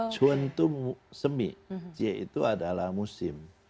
cuen itu adalah musim